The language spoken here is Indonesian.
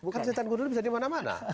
kan setan gundul bisa dimana mana